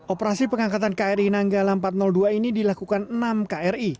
operasi pengangkatan kri nanggala empat ratus dua ini dilakukan enam kri